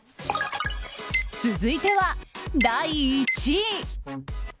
続いては、第１位。